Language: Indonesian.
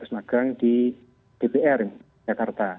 terus magang di dpr jakarta